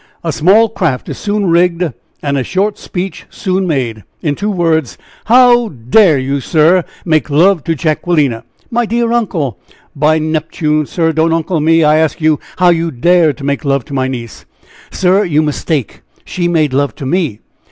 a small craft is soon rigged, and a short speech soon made. In two words, how dare you, sir! make love to Jacquelina?" "My dear uncle " "By Neptune, sir; don't 'uncle' me. I ask you how you dared to make love to my niece?" "Sir, you mistake, she made love to me."